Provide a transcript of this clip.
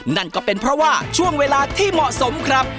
นั่นก็เป็นเพราะว่าช่วงเวลาที่เหมาะสมครับ